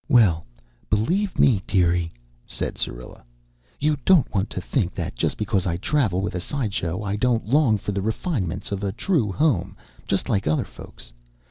"Well, believe me, dearie," said Syrilla, "you don't want to think that just because I travel with a side show I don't long for the refinements of a true home just like other folks.